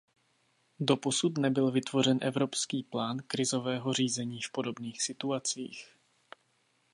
Doposud nebyl vytvořen evropský plán krizového řízení v podobných situacích.